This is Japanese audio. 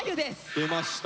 出ました。